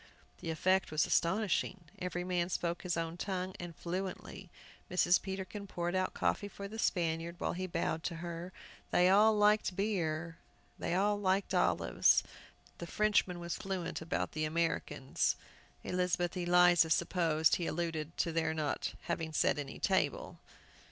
The effect was astonishing. Every man spoke his own tongue, and fluently. Mrs. Peterkin poured out coffee for the Spaniard, while he bowed to her. They all liked beer, they all liked olives. The Frenchman was fluent about "les moeurs Américaines." Elizabeth Eliza supposed he alluded to their not having set any table.